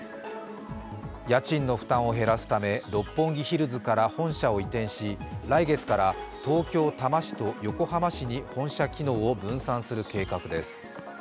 家賃の負担を減らすため六本木ヒルズから本社を移転し来月から東京・多摩市と横浜市に本社機能を分散する計画です。